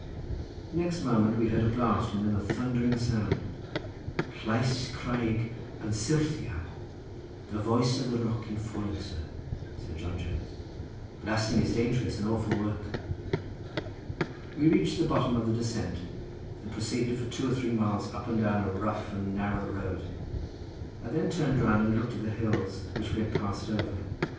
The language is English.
The next moment we heard a blast, and then a thundering sound: "Llais craig yn syrthiaw; the voice of the rock in falling, sir," said John Jones; "blasting is dangerous and awful work." We reached the bottom of the descent, and proceeded for two or three miles up and down a rough and narrow road; I then turned round and looked at the hills which we had passed over.